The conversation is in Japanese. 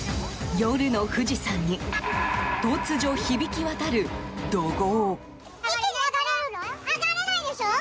夜の富士山に突如、響き渡る怒号。